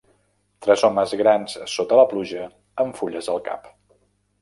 Tres homes grans sota la pluja amb fulles al cap.